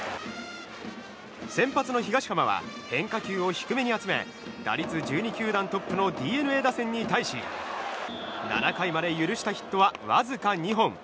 先発の東浜は変化球を低めに集め打率１２球団トップのＤｅＮＡ打線に対し７回まで許したヒットはわずか２本。